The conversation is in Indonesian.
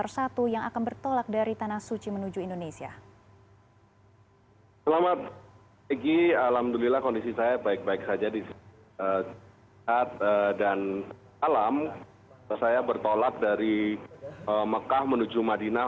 saya bertolak dari mekah menuju madinah